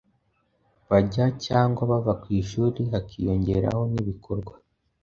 bajya cyangwa bava ku ishuri hakiyongeraho n’ibikorwa